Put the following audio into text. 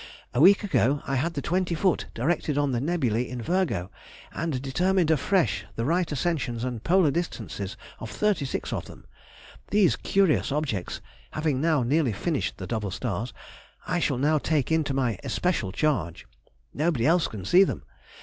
A week ago I had the twenty foot directed on the nebulæ in Virgo, and determined afresh the right ascensions and polar distances of thirty six of them. These curious objects (having now nearly finished the double stars) I shall now take into my especial charge—nobody else can see them.